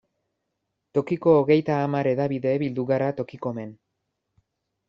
Tokiko hogeita hamar hedabide bildu gara Tokikomen.